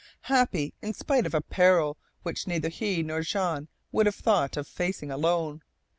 Happy in spite of a peril which neither he nor Jean would have thought of facing alone.